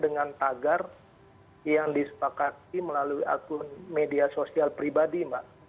dengan tagar yang disepakati melalui akun media sosial pribadi mbak